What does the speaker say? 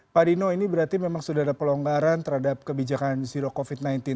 pak dino ini berarti memang sudah ada pelonggaran terhadap kebijakan zero covid sembilan belas